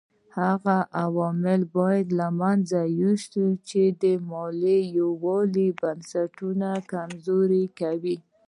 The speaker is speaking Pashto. هغه عوامل باید له منځه یوسو چې د ملي یووالي بنسټونه کمزوري کوي.